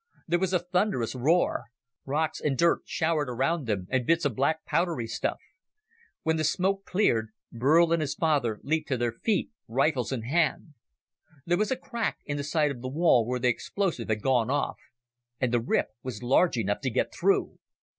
There was a thunderous roar: rocks and dirt showered around them, and bits of black powdery stuff. When the smoke cleared, Burl and his father leaped to their feet, rifles in hand. There was a crack in the side of the wall where the explosive had gone off. And the rip was large enough to get through!